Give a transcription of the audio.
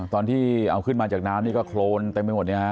ตอนที่เอาขึ้นมาจากน้ำนี่ก็โครนเต็มไปหมดเนี่ยฮะ